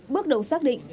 bước đầu xác định